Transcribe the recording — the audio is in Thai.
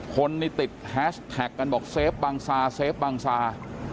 คนนี่ติดแฮชแท็กกันบอกเซฟบังซาเซฟบังซา